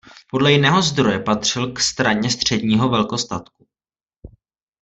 Podle jiného zdroje patřil k Straně středního velkostatku.